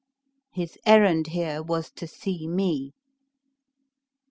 "His errand here was to see me."